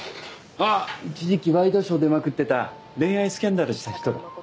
あっ一時期ワイドショー出まくってた恋愛スキャンダルした人だ。